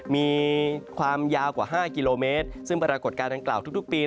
มีความยาวกว่า๕กิโลเมตรซึ่งปรากฏการณ์ดังกล่าวทุกปี